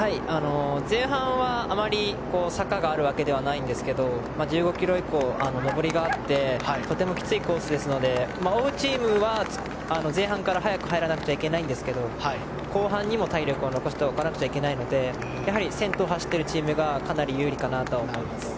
前半は、あまり坂があるわけではないんですけど１５ｋｍ以降、上りがあってとてもきついコースですので追うチームは、前半から速く入らないといけないんですが後半にも体力を残しておかなくちゃいけないので先頭を走っているチームがかなり有利かなと思います。